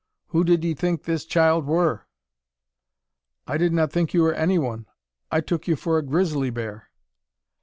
Who did 'ee think this child wur?" "I did not think you were anyone. I took you for a grizzly bear."